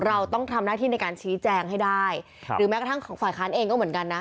เราต้องทำหน้าที่ในการชี้แจงให้ได้หรือแม้กระทั่งของฝ่ายค้านเองก็เหมือนกันนะ